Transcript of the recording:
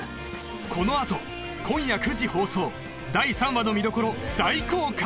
このあと今夜９時放送第３話の見どころ大公開